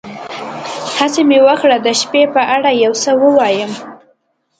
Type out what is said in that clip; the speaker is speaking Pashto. هڅه مې وکړه د شپې په اړه یو څه ووایم.